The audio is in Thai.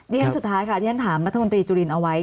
ดิฉันสุดท้ายค่ะดิฉันถามมันท่านคุณตรีจุลินเอาไว้